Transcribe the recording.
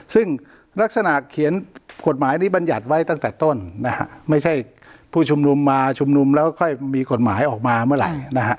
ซึ่งลักษณะเขียนกฎหมายที่บรรยัติไว้ตั้งแต่ต้นนะฮะไม่ใช่ผู้ชุมนุมมาชุมนุมแล้วค่อยมีกฎหมายออกมาเมื่อไหร่นะฮะ